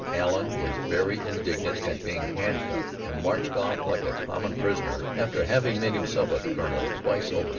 Allen was very indignant at being handcuffed and marched off like a common prisoner after having made himself a colonel twice over.